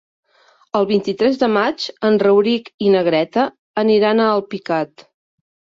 El vint-i-tres de maig en Rauric i na Greta aniran a Alpicat.